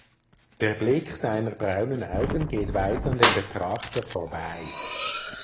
Der Blick seiner braunen Augen geht weit an dem Betrachter vorbei.